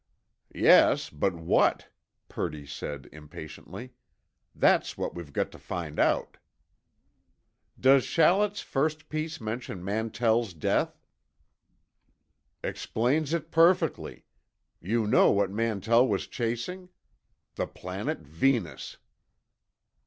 "Yes, but what?" Purdy said impatiently. "That's what we've got to find out." "Does Shallett's first piece mention Mantell's death?" "Explains it perfectly. You know what Mantell was chasing? The planet Venus!"